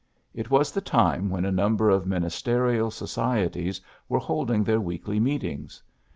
It was the time when a number of ministerial soci eties were holding their weekly meetings.